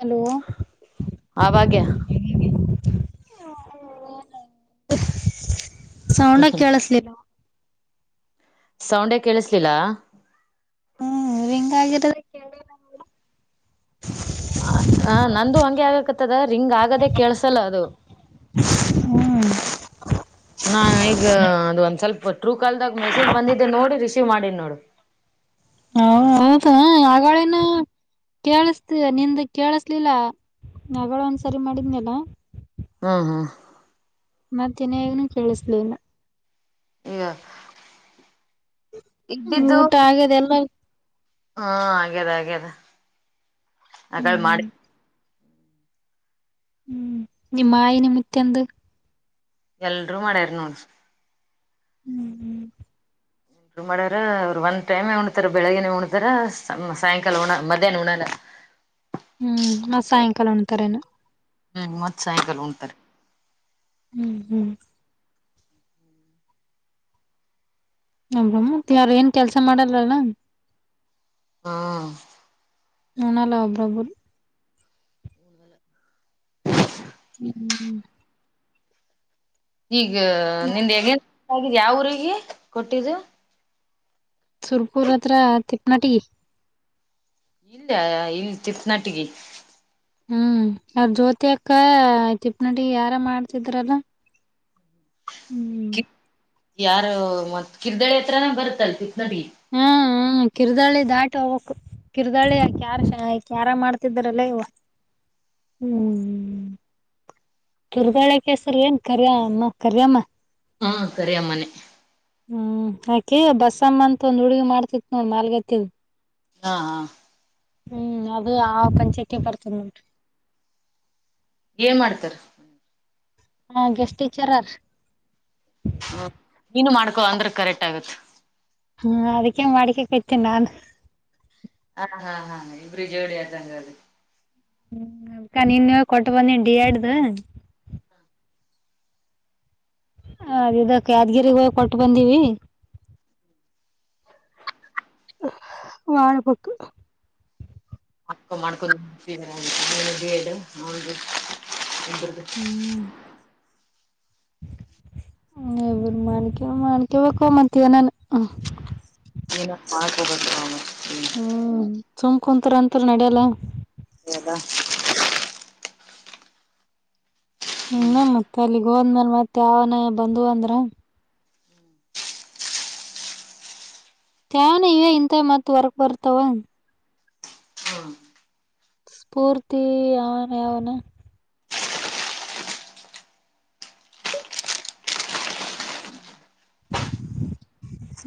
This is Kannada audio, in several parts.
ಹಲೋ ಆ ಭಾಗ್ಯ. [inaudible] ಸೌಂಡ ಕೇಳಸಲಿಲ್ಲ. ಸೌಂಡೆ ಕೇಳಿಸ್ಲಿಲ್ಲಾ. ಹ್ಮ್ ಹೆಂಗ ಆಗಿರೋದ. ಹ ನಂದು ಹಂಗೆ ಆಗಕತ್ತದ ರಿಂಗ್ ಆಗದೆ ಕೇಸಲ್ಲ ಅದು. ಹ್ಮ ನಾ ಈಗ ಅದು ಒಂದ್ ಸ್ವಲ್ಪ್ ಟ್ರೂ ಕಾಲ್ದಾಗ ಮೆಸೇಜ್ ಬಂದಿದ್ದೆ ನೋಡಿ ರಿಸೀವ್ ಮಾಡಿನಿ. ಹ ಹೌದ ಆಗಳೇನ. ಕೇಳಿಸತ ನಿಂದ ಕೇಳಸ್ಲಿಲ್ಲ ಅಗಳ ಒಂದ್ಸರಿ ಮಾಡಿದ್ನಲ್ಲ ಹ್ಮ್ ಹಾ [unintelligible] ಮತ್ತನಗನು ಕೇಳಿಸ್ಲಿಲ್ಲ. ಹ [unintelligible] ಊಟ ಆಗದೆ ಎಲ್ಲ ಹಾ ಅಗ್ಯದ್ ಅಗ್ಯದೆ ಹ್ಮ್ ಆಗಳ್ ಮಾಡ. ಹ್ಮ್ ಹ್ಮ್ ನಿಮ್ಮಯಿ ನಿಮ್ ಮುತ್ಯಂದು. ಎಲ್ರು ಮಾಡ್ಯಾರ ನೋಡ್ರಿ. ಹ್ಮ್ ಹ್ಮ್ [unintelligible] ರ ಅವ್ರು ಒಂದ್ ಟೈಮ್ ಉಂಣ್ತರೆ ಬೆಳಿಗ್ಗೆನೆ ಉಂಣತರ ಸಾಯಂಕಾಲ ಉಣ್ ಮಧ್ಯಾಹ್ನ ಉಂಣ್ಣಲ್ಲ. ಹ್ಮ್ ಮತ್ ಸಾಯಂಕಾಲ ಉಂಣ್ತಾರೇನು. ಹ್ಮ್ ಮತ್ತ ಸಾಯಂಕಾಲ ಉಂಣ್ತರೆ. ಹ್ಮ್ ಹ್ಮ್ [unintelligible] ಮ್ಮತ್ ಯಾರ ಏನ್ ಕೆಲ್ಸ ಮಾಡಲ್ಲಲ್ಲ. ಹಾ ನಾನಲ್ಲ ಒಬ್ಬೊಬ್ರುದು. ಹ್ಮ ಹ್ಮ್ ಈಗ ನಿಂದ ಹೆಗನ್ ಆಗ ಯಾವ ಊರಿಗೆ ಕೊಟ್ಟಿದ್ದು. ಸುರ್ಪುರ್ ಹತ್ರ ತಿಪ್ಪನಟಗಿ. ಇಲ್ಲಯ ಇಲ್ಲಿ ತಿಪ್ಪನಟಗಿ ಹ್ಮ್ ಅವ್ರ ಜ್ಯೋತಿ ಅಕ್ಕ ತಿಪ್ಪನಟಿ ಯಾರ ಮಾಡ್ತಿದ್ರಲ್ಲ [inaudible] ಯಾರ ಮತ್ ಕಿರ್ದಳಿ ಹತ್ರನ ಬರ್ತ್ತಲ್ ಕಿತ್ನಡಿ. ಹ್ಮ ಕಿರ್ದಳಿ ದಾಟ ಹೋಗ್ಬೇಕು ಕಿರ್ದಾಳಿ ಕ್ಯಾರ ಕ್ಯಾರ ಮಾಡ್ತಿದ್ರಲ್ಲ ಇವ. ಹ್ಮ್ ಕಿರ್ದಾಳಿ ಕೇಸರ್ಎನ್ ಕರಿಯಮ್ಮ ಕರಿಯಮ್ಮ. ಹಾ ಕರಿಅಮ್ಮನೆ. ಹ್ಮ್ ಅಕಿ ಬಸ್ಸಮ್ಮ ಅಂತ ಒಂದ್ ಹುಡ್ಗಿ ಮಾಡ್ತಿತ್ ನೋಡ್ ಮಾಲ್ಗತ್ತಿದು. ಹಾ ಹಾ ಹ್ಮ್ ಅದು ಆ ಪಂಚಾಯಿತಿಗೆ ಬರ್ತದ್ ನೋಡ್ರಿ. ಏನ್ ಮಾಡ್ತಾರು. ಹಾ ಗೆಸ್ಟ್ ಟೀಚರ್ರ್ ಹ್ಮ ನೀನು ಮಾಡ್ಕೊ ಅಂದ್ರೆ ಕರೆಕ್ಟ್ ಆಗತ್ ಹ್ಮ ಅದಕ್ಕೆೇ ಮಾಡಕಕೇತಿ ನಾನು ಹಾ ಹಾ ಹಾ ಇಬ್ಬರು ಜೋಡಿ ಆಯ್ತು ಹಂಗಾರೆ ಹ್ಮ ಅಕ ನೀನ್ ಕೊಟ್ಟ ಬಂದೀನಿ ಡಿಎಡ್ ದು ಹ ಅದ ಯಾದಗಿರಿಗೆ ಹೋಗಿ ಕೊಟ್ಟು ಬಂದೀವಿ ಹೋಗಬೇಕು [unintelligible] [inaudible] ಕೇಳಿಕೊ ಕೇಳಿಕೊ ಮತ್ ಏನಾನಾ ಈಗ ಮಾಡಬೇಕು ನಾವು ಹ್ಮ್ ಸುಮ್ ಕುಂತ್ರು ಅಂತೂ ನೆಡಿಯಲ್ಲಾ ಅಲ್ಲ್ವಾ ಹ್ಮ ಮತ್ತ ಅಲ್ಲಿಗೆ ಹೋದ್ಮ್ಯಲೆ ಮತ್ತೆ ಯಾವನ ಬಂದು ಅಂದ್ರ ಏನಿಲ್ಲ ಇಂತವೆ ಮತ್ ಹೊರಗ್ ಬರ್ತಾವ ಹ್ಮ್ ಪೂರ್ತಿ ಯನ್ ಯಾವನು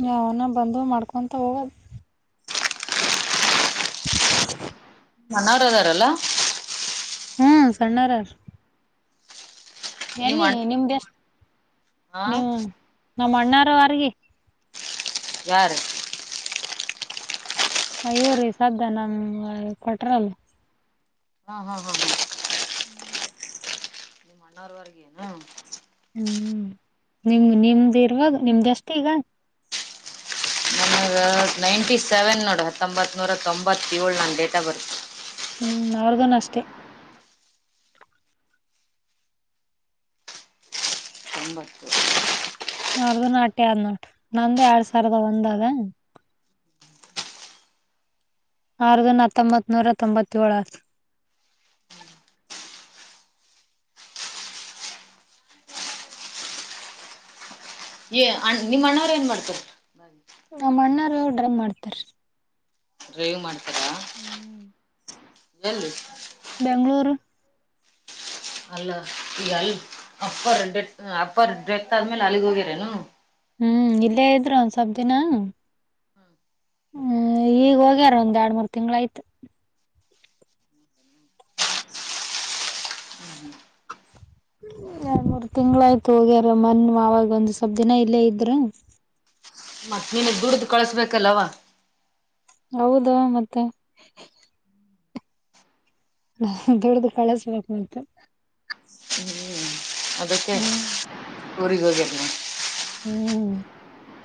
ಯಾವನ ಬಂದು ಮಾಡ್ಕೊಂತ ಹೋಗದ [inaudible] ಸಣ್ಣವರು ಇದಾರಲ್ಲ ಹ್ಮ್ ಸಣ್ಣಾರರೇ ನಿಮ್ ಎಲ್ಲಿ ಅಣ್ಣ ನಿಮ್ದು ಎಷ್ಟು ಹಾ ನೀವು ನಮ್ಮ ಅಣ್ಣಾರ ವರ್ಗಿ ಯಾರು ಇವ್ರೀ ನಮ್ ಕೊಟ್ರಲ್ಲ ಹಾ ಹಾ ಹಾ ಹಾ [inaudible] ನಿಮ್ಮ್ ಅಣ್ಣಾ ಅವರ ವರ್ಗೆನ ಹ್ಮ್ ನಿಮ ನಿಮ್ದ ಇರ್ರುವಾಗ ನಿಮ್ದಷ್ಟೇ ಈಗ ನನಗೆ ನೈಂಟಿ ಸೆವೆನ್ ನೋಡಿ ಹತ್ತೊಂಬತ್ತು ನೂರ ತೊಂಬತ್ತೇಳು ನನ್ನ ಡೇಟ್ ಆಫ್ ಬರ್ತ ಹ್ಮ್ ಅವ್ರಗನು ಅಷ್ಟೆ ತೊಂಬತ್ತು ಅವರ್ದು ನಾಟಿನಂದು ಎರಡ್ ಸಾವಿರದ ಬಂದದ ಅವಗುನು ಹತ್ತೊಂಬತ್ ನೂರ ತೊಂಬತ್ತು ಏಳು ಆಯ್ತು ಅ ನಿಮ್ಮ್ ಅಣ್ಣವ್ ಏನ್ ಮಾಡ್ತಾರೆ ನಮ್ಮ ಅಣ್ಣಾ ಅವ್ರು ಡ್ರೈವ್ ಮಾಡ್ತಾರೆರೀ ಡ್ರೈವ್ ಮಾಡ್ತಾರ [inaudible] ಎಲ್ಲಿ ಬೆಂಗಳೂರು ಅಲ್ಲ ಈ ಅಲ್ ಅಪ್ಪರ್ ರಿಟೆ ಅಪ್ಪರ್ ರಿಟೆಕ್ಟ್ ಆದ್ಮೇಲೆ ಅಲ್ಲಿಗ್ ಹೋಗ್ಯರನು ಹ್ಮ್ ಇಲ್ಲೇ ಇದ್ರು ಒಂದ ಸ್ವಪ ದಿನ ಹ್ಮ್ ಈಗ ಹೋಗ್ಯಾರ ಒಂದ್ ಎರಡ್ ಮೂರ್ ತಿಂಗಳ ಆಯ್ತ ಎರಡ್ ಮೂರ್ ತಿಂಗಳು ಆಯ್ತು ಹೋಗ್ಯಾರ ಮನ್ ಆವಾಗ ಒಂದ್ ಸ್ವಪ್ ದಿನ ಇಲ್ಲೇ ಇದ್ರು [inaudible] ಮತ್ತೆ ನಿನಗ್ ದುಡ್ದ ಕಳಸ್ಬೇಕಲ್ಲವ ಹೌದು ಮತ್ತೆ ದುಡ್ಡಿದು ಕಳಿಸಬೇಕು ಮತ್ತೆ ಹ್ಞೂ ಹ್ಮ್ ಊರಿಗೆ ಹೋಗ್ಯಾರ ಹ್ಮ್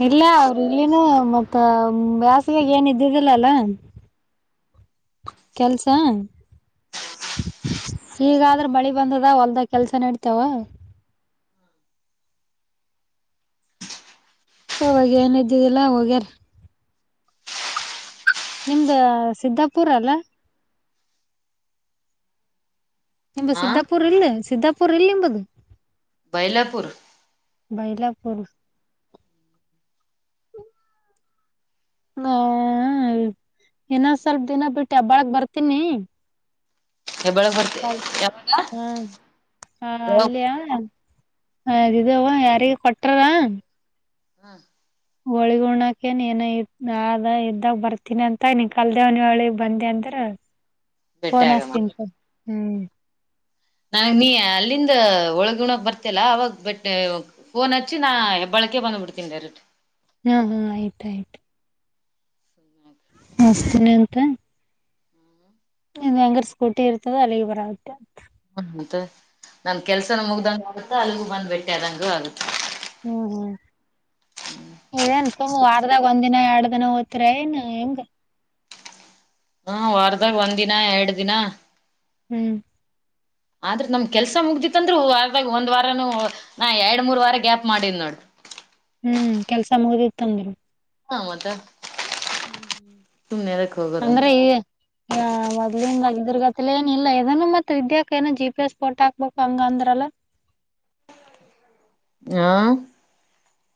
ಇಲ್ಲ ಅವರು ಇಲ್ಲಿನ ಮತ್ತ ಬ್ಯಾಸಿಗೆಗ ಏನ್ ಇದ್ದಿದ್ದಿಲ್ಲಲ್ಲ ಕೆಲಸ ಹೀಗಾದ್ರೆ ಮಳಿ ಬಂದದ ಹೊಲ್ದ ಕೆಲ್ಸ ನಡ್ತಾವ ಇವಾಗ ಏನು ಇದ್ದಿದ್ದಿಲ್ಲ ಹೋಗ್ಯಾರ ನಿಮ್ದ ಸಿದ್ದಾಪುರ ಅಲ್ಲ ನಿಂಬ ಹಾಂ ಸಿದ್ದಾಪುರ್ ಇಲ್ಲ ಸಿದ್ದಾಪುರ್ ಇಲ್ಲಿ ನಿಂಬಂಧ ಬೈಲಾಪುರ್ ಬೈಲಾಪುರ ಹ ಇನ್ನೊ ಸ್ವಲ್ಪ ದಿನ ಬಿಟ್ಟು ಹೇಬ್ಬಾಳಗ್ ಬರ್ತೀನಿ ಹೆಬ್ಬಳ ಬರ್ತಿ ಅ ಯಾವಾಗ ಹಾ ಹ ಯಾವಾಗ ಅಲ್ಲಿಯ ಹದಿದವ ಯಾರಿಗೆ ಕೊಟ್ಟರ್ ಹ್ಮ ಹೋಳಿಗೆ ಉಣ್ಣಾಕ್ ನಿನ್ ಇರತಿವಿ ಅದ ಇದ್ದಾಗ ಬರ್ತೀನಿ ಅಂತ ನೀ ಕಲ್ದೇವ್ನ ಒಳಿಗ್ ಬಂದಿ ಅಂತ ಭೇಟಿ ಫೋನ್ ಹಚ್ಚತೀನಿ ತೊ ಹ್ಮ ನನ್ ನೀ ಅಲ್ಲಿಂದ ಒಳಗ ಉಣಕ್ ಬರ್ತಲ್ಲ ಅವಾಗ ಬಟ್ಟ ಫೋನ್ ಹಚ್ಚಿ ನಾ ಹೆ ಬಳ ನಾಳಕ್ಕೆ ಬಂದು ಬಿಡ್ತನಿ ಡೈರೆಕ್ಟ್ ಹ್ಮ ಹ್ಮ್ ಆಯ್ತ ಆಯ್ತ ಹಸ್ತೀನಿ ಅಂತ ಇದ ಹೆಂಗರ್ ಸ್ಕೂಟಿ ಇರ್ತದ ಅಲ್ಲಿಗೆ ಬರತ್ತೆ ಹ್ಮಂತ ನನ್ ಕೆಲ್ಸನ ಮುಗ್ದಂಗ ಆಗುತ್ತಾ ಅಲ್ಲಿಗೂ ಬಂದ್ಬಟ್ಟೆದಂಗೂ ಆಗುತ್ತ ಹ್ಮ್ ಹ್ಮ್ ಇವೇನ್ ವಾರದಾಗ ಒಂದ ದಿನ ಎರಡ್ ದಿನ ಹೊಯತಿರೆನ್ ಏನ್ ಹೆಂಗ ಹಾ ವಾರದಾಗ ಒಂದ್ ದಿನ ಎರಡ್ ದಿನ ಹ್ಮ್ ಆದ್ರೆ ನಮ್ ಕೆಲ್ಸ ಮುಗ್ದಿತ್ತ ಅಂದ್ರರು ವರ್ಧಗ್ ಒಂದ್ ವಾರನು ನಾ ಎರಡ್ ಮೂರ್ ವಾರ ಗ್ಯಾಪ್ ಮಾಡಿನ್ ನೋಡ ಹ್ಮ್ ಕೆಲ್ಸ ಮುಗ್ದಿತ್ತಂದರು ಹ ಮತ್ತ ಹ್ಮ ಹ್ಮ ಸುಮ್ನೆ ಎದಕ್ ಹೋಗೋದಂತ ಅಂದ್ರೆ ಈ ಯ ಮೊದ್ಲಿಂದನ್ ನಗಿದರ್ಗತಿ ಏನ ಇಲ್ಲಏದನನು ಮತ್ತತ್ ವಿದ್ಯಾಕ ಏನೋ ಜಿ ಪಿ ಎಸ್ ಫೋಟೋ ಹಾಕ್ಬೇಕು ಹಂಗ ಅಂದ್ರಲ್ಲ [inaudible] ಹಾ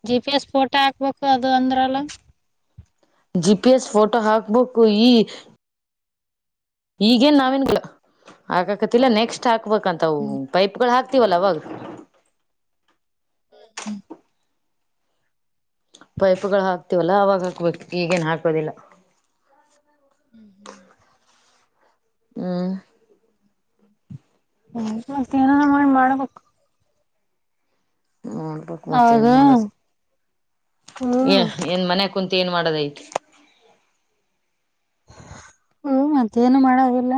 ಜಿ ಪಿ ಎಸ್ ಫೋಟೋ ಹಾಕ್ಬೇಕು ಅದು ಅಂದ್ರಲ್ಲ ಜಿಪಿಎಸ್ ಫೋಟೋ ಹಾಕ್ಬೇಕು ಈ ಈಗೇನ್ ನಾವೇನ್ ಹಾಕಕತಿಲ್ಲ ನೆಕ್ಸ್ಟ್ ಹಾಕ್ಬೇಕಂತವು ಹ್ಮ್ ಪೈಪ್ಗಳು ಹಾಕ್ತಿವಲ್ಲ ಅವಾಗ ಹ್ಮ್ ಹ್ಮ್ ಪೈಪ್ಗಳು ಹಾಕ್ತಿವಲ್ಲಾ ಅವಾಗ ಹಾಕ್ಬೇಕು ಈಗೇನ್ ಹಾಕದಿಲ್ಲ ಹ ಹ್ಮ್ ಮತ್ತೆ ಏನಾದ ಮಾಡ ಮಾಡ್ಬೇಕು ನೋಡ್ಬೇಕು ಮತ್ತೆ ಅವಾಗ ಏನ್ ಮಾಡ ಹ್ಮ್ ಏನ್ ಮಾಡೋದ ಕುಂತ ಏನ್ ಮಾಡೋದಯತ ಹಓ ಮತ್ತೇನು ಮಾಡಗಿಲ್ಲ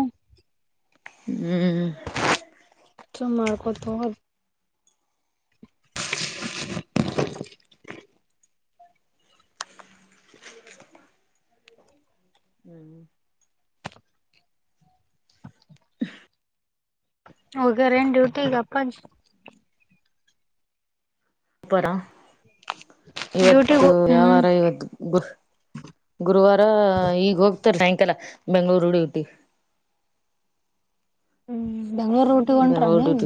ಹ್ಮ್ ಅಷ್ಟ ಮಾಡ್ಕೊಂತಹೋಗ್ರಿ. ಹ್ಮ್. ಹ ಹೋಗ್ಯಾರ ಏನ್ ಡ್ಯೂಟಿಗೆ ಅಪ್ಪಾಜಿ ಅಪಾರ ಡ್ಯೂಟಿಗ್ ಇವತ್ತು ಹ್ಮ್ ಯಾವಾರ ಇವತ್ ಗು ಗುರುವಾರ ಈಗ ಹೋಗ್ ನಕಲ್ಲ ಬೆಂಗಳೂರು ಹುಡುಗಿ ಹ್ಮ್ ಬೆಂಗಳೂರು ರೂಟ್ ಗೆ ಹೊಂಟ್ರ ನೀವು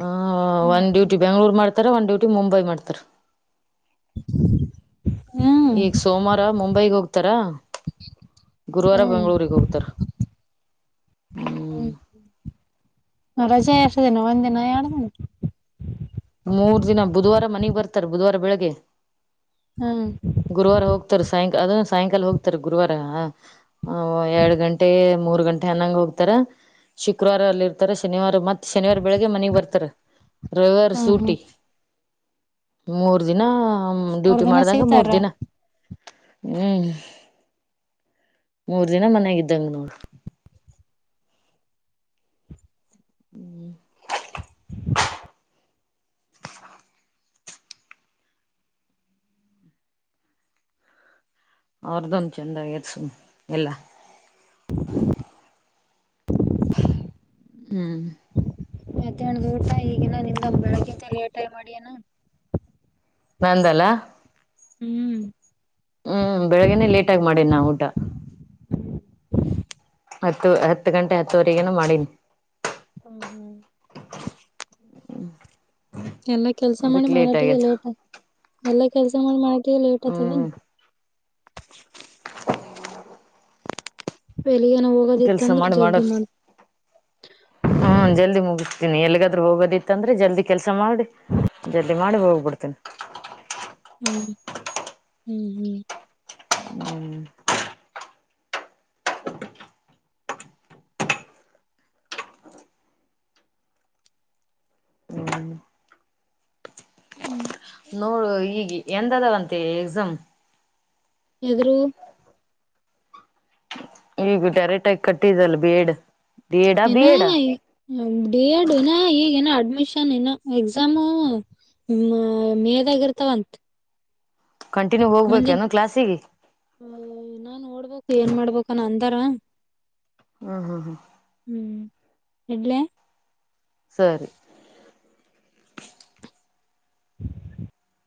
ಹ ಹ್ಮ್ ಒಂದ್ ಡ್ಯೂಟಿ ಬಬೆಂಗಳೂರು ಮಾಡ್ತಾರ ಒಂದ್ ಡ್ಯೂಟಿ ಮುಂಬೈ ಮಾಡ್ತಾರ ಹ್ಮ್ ಈಗ ಸೋಮವಾರ ಮುಂಬೈಗ್ ಹೋಗ್ತಾರ. ಗುರುವಾರ ಹ್ಮ್ ಬೆಂಗಳೂರಿಗೆ ಉತ್ತರ. ಹ್ಮ್ ರಜೆ ಎಷ್ಟ ದಿನ ಒಂದಿನ ಎಡ ದಿನ. ಮೂರ್ ದಿನ ಬುಧವಾರ ಮನೆಗ್ ಬರ್ತಾರ ಬುಧವಾರ ಬೆಳಗ್ಗೆ. ಹ್ಮ್ ಗುರುವಾರ ಹೋಗ್ತಾರೆ ಸಾಯಂಕಾಲ ಅದನ್ನ ಸಾಯಂಕಾಲ ಹೋಗ್ತಾರ ಗುರುವಾರ ಹ ಹ ಎರಡ್ ಗಂಟೆ ಮೂರ್ ಗಂಟೆ ಅನ್ನಂಗ್ ಹೋಗ್ತಾರ ಶುಕ್ರವಾರ ಅಲ್ಲಿ ಇರ್ತಾರೆ ಶನಿವಾರ ಮತ್ತೆ. ಶನಿವಾರ ಬೆಳಿಗ್ಗೆ ಮನಿಗ್ ಬರ್ತಾರ. ರವಿವಾರ ಹಾ ಹಾ. ಸೂಟಿ ಮೂರ್ ದಿನ ಮೂರ್ ಡ್ಯೂಟಿ ದಿನ ಮಾಡ್ದಂಗ ಮೂರ್ ಸಿಗ್ತಾರ? ದಿನ. ಹ್ಮ್ [inaudible] ಮೂರ್ ದಿನ ಮನಾಗಿದ್ದಂಗ ನೋಡ. ಹ್ಮ್. ಅವ್ರದೊಂದು ಚೆಂದ ಸುಮ ಎಲ್ಲಾ. ಹ್ಮ್. ಮಾಡ್ಯಾನ್ಡ ಊಟ ಈಗಿನ ನಿಂದ ಬೆಳಗಕ್ಕಿಂತ ಲೇಟಆಗಿ ಮಾಡಿಯನ ನಂದಲ್ಲ. ಹ್ಮ್. ಹ್ಮ್ ಬೆಳಗ್ನೆೇ ಲೇಟಗಿ ಮಾಡೇ ನಾ ಊಟ. [inaudible] [inaudible] ಹತ್ತು ಹತ್ತು ಗಂಟೆ ಹತ್ತುವರೆಗನು ಮಾಡಿನಿ. ಹ್ಮ ಹ್ಮ್. ಹ್ಮ. ಎಲ್ಲ ಕೆಲ್ಸ ಮಾಡಿ ಮಾಡಟಿಗೆ ಲೇಟ ಎಲ್ಲಾ ಕೆಲ್ಸ ಮಾಡಿ ಮಾಡ. ಕೆ ಲೇಟತದೆ. ಹ್ಮ್ ಎಲ್ಲಿಗನ ಹೋಗೋದಿತ್ತ ಕೆಲ್ಸ ಅಂದ್ರ ಮಾಡಿ ಜಲ್ದಿ ಮಾಡಕ್ ಮಾಡ ಹ್ಮ ಜಲ್ದಿ ಮುಗ. ನಿ ಎಲ್ಗಾದ್ರೂ ಹೋಗೋದಿತ್ತ ಅಂದ್ರೆ ಜಲ್ದಿ ಕೆಲ್ಸ ಮಾಡಿ ಜಲ್ದಿ ಮಾಡಿ ಹೋಗ್ಬಿಡ್ತೀನಿ. ಹ್ಮ್ ಹ್ಮ್ ಹ್ಮ್. ಹ್ಮ್ ಹ್ಮ್ ಹ್ಮ್. ನೋಡು ಈಗ ಎಂದದಾವಂತೆ ಎಕ್ಸಾಮ್. ಎದುರು. ಈಗ ಡೈರೆಕ್ಟಾಗಿ ಕಟ್ಟಿದಲ್ಲ ಬಿ. ಎಡ್ ಡಿ ಎಡಾ ಬಿ ಇನ್ನ ಎಡಾ ಈ ಬಿ ಎಡ ಇನ ಈಗ ಏನ ಅಡ್. ಅಡ್ಮಿಷನ್ ಇನ್ನು ಎಕ್ಸಾಮು ಮೇದಾಗಿ ಇರ್ತಾವಂತ. ಕಂಟಿನ್ಯೂ ನಾನ್ ಹೋಗ್ಬೇಕೇನು ಕ್ಲಾಸಿಗೆ ನೋಡ್ಬೇಕು ಏನ್ ಮಾಡ್ಬೇಕ. ತ್ತರ. ಹ್ಮ್ ಹ್ಮ್ ಹ್ಮ್. ಹ್ಮ್ ಇಡ್ಲ್ಲ. ಸರಿ.